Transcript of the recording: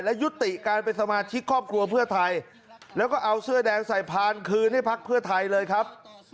และยุติการเป็นสมาชิกครอบครัวเพื่อไทยแล้วก็เอาเสื้อแดงใส่พานคืนให้พักเพื่อไทยเลยครับ